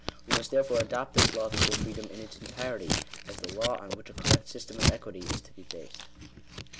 We must therefore adopt this law of equal freedom in its entirety, as the law on which a correct system of equity is to be based.